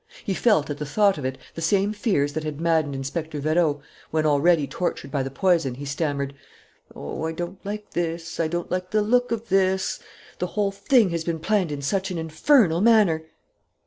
He felt, at the thought of it, the same fears that had maddened Inspector Vérot when, already tortured by the poison, he stammered: "Oh, I don't like this, I don't like the look of this!... The whole thing has been planned in such an infernal manner!"